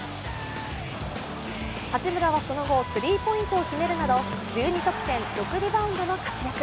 八村はその後、スリーポイントを決めるなど１２得点、６リバウンドの活躍。